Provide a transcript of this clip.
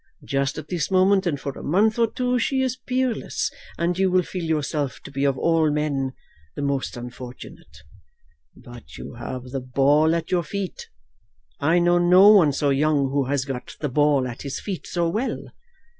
Just at this moment, and for a month or two, she is peerless, and you will feel yourself to be of all men the most unfortunate. But you have the ball at your feet. I know no one so young who has got the ball at his feet so well.